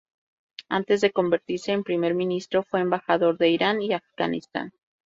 Antes de convertirse en primer ministro, fue embajador en Irán y Afganistán.